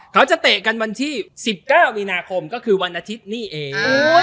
เตะกันวันที่๑๙มีนาคมก็คือวันอาทิตย์นี่เอง